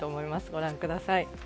ご覧ください。